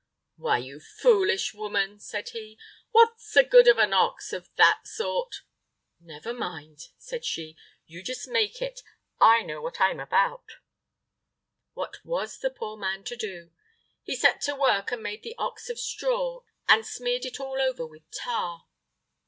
"Why, you foolish woman!" said he, "what's the good of an ox of that sort?" "Never mind," said she; "you just make it. I know what I am about." What was the poor man to do? He set to work and made the ox of straw, and smeared it all over with tar.